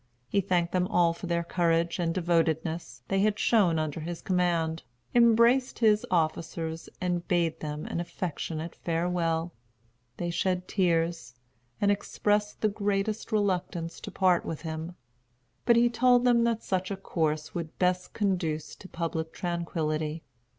He thanked them all for the courage and devotedness they had shown under his command, embraced his officers, and bade them an affectionate farewell. They shed tears, and expressed the greatest reluctance to part with him; but he told them that such a course would best conduce to public tranquillity.